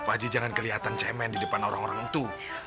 pagi jangan kelihatan cemen di depan orang orang itu